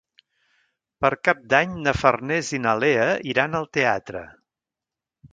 Per Cap d'Any na Farners i na Lea iran al teatre.